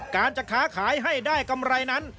การจะค้าขายให้ได้กำไรนั้น